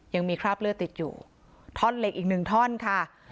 ยังมีคราบเลือดติดอยู่ท่อนเหล็กอีกหนึ่งท่อนค่ะ